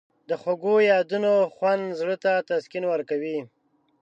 د خوږو یادونو خوند زړه ته تسکین ورکوي.